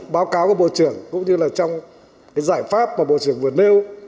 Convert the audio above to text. báo cáo của bộ trưởng cũng như là trong cái giải pháp mà bộ trưởng vừa nêu